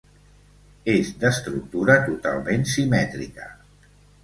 És d'estructura totalment simètrica.